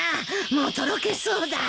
もうとろけそうだ。